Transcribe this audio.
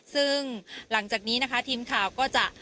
ซึ่งหลังจากนี้นะคะทีมข่าวก็จะ